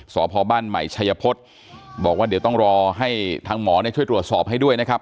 สพบ้านใหม่ชัยพฤษบอกว่าเดี๋ยวต้องรอให้ทางหมอช่วยตรวจสอบให้ด้วยนะครับ